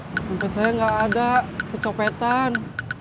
dompet saya gak ada kecopetan